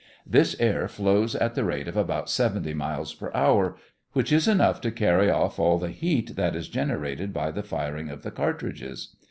This air flows at the rate of about seventy miles per hour, which is enough to carry off all the heat that is generated by the firing of the cartridges.